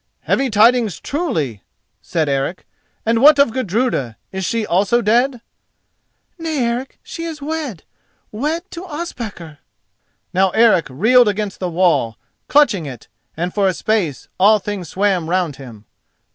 "Heavy tidings, truly!" said Eric; "and what of Gudruda, is she also dead?" "Nay, Eric she is wed—wed to Ospakar." Now Eric reeled against the wall, clutching it, and for a space all things swam round him.